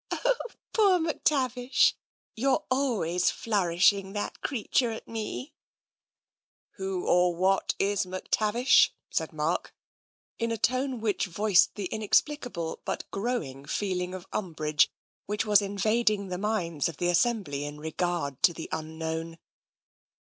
"Oh, poor McTavish! You're always flourishing that creature at me !" "Who or what is McTavish?" said Mark, in a tone which voiced the inexplicable but growing feeling of umbrage which was invading the minds of the assembly in regard to the unknown.